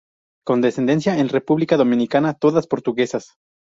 Con descendencia en República Dominicana todas portuguesas.